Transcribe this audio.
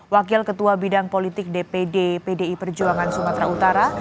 wakil ketua bidang politik dpd pdi perjuangan sumatera utara